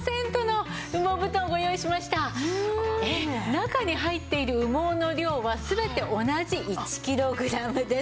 中に入っている羽毛の量は全て同じ１キログラムです。